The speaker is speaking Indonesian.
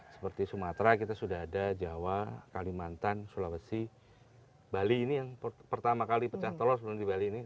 seperti sumatera kita sudah ada jawa kalimantan sulawesi bali ini yang pertama kali pecah telur sebenarnya di bali ini